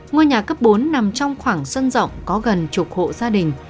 ngôi nhà cấp bốn nằm trong khoảng sân rộng có gần chục hộ gia đình